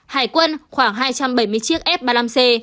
hải quân khoảng hai trăm bảy mươi chiếc f ba mươi năm c